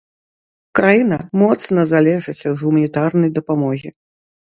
Краіна моцна залежыць ад гуманітарнай дапамогі.